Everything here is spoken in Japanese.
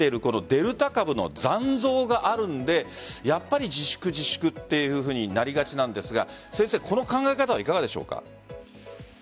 デルタ株の残像があるのでやっぱり自粛というふうになりがちなんですがこの考え方はいかがですか？